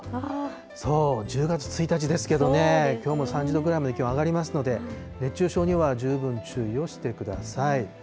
そう、１０月１日ですけどね、きょうも３０度ぐらいまで気温上がりますので、熱中症には十分注意をしてください。